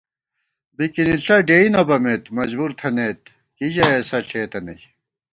بِکِنِݪہ ڈېئ نہ بَمېت مجبُورتھنَئیت کی ژَئی اسہ ݪېتہ نئ